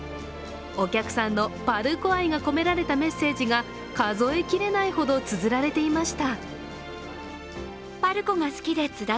お客さんのパルコ愛が込められたメッセージが数えきれないほどつづられていました。